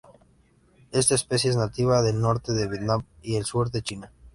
Esta especie es nativa del norte de Vietnam y el sur de China.